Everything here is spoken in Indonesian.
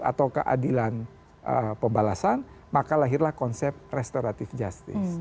atau keadilan pembalasan maka lahirlah konsep restoratif justice